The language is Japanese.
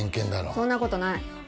そんなことない。